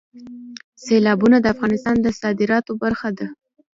سیلابونه د افغانستان د صادراتو برخه ده.